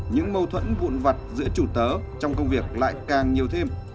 những mâu thuẫn vụn vặt giữa chủ tớ trong công việc lại càng nhiều thêm